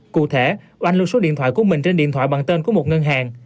cụ thể oanh lưu số điện thoại của mình trên điện thoại bằng tên của một ngân hàng